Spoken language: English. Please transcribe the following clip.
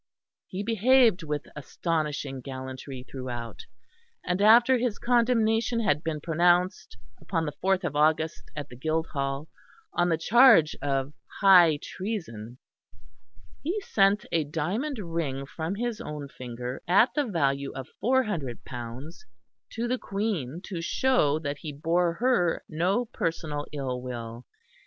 He behaved with astonishing gallantry throughout, and after his condemnation had been pronounced upon the fourth of August at the Guildhall, on the charge of high treason, he sent a diamond ring from his own finger, of the value of £400, to the Queen to show that he bore her no personal ill will.